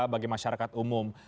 bagi masyarakat umum